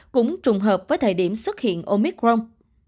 cũng trùng hợp với thời điểm xuất hiện omicron